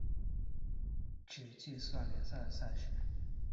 只计算联赛赛事。